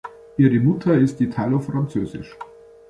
Ihre Mutter ist italo-französisch.